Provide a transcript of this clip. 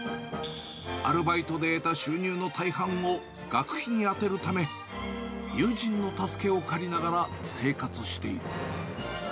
アルバイトで得た収入の大半を学費に充てるため、友人の助けを借りながら生活している。